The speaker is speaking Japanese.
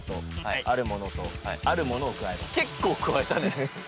結構加えたね。